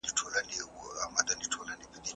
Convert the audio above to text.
ایا ته کار کوې.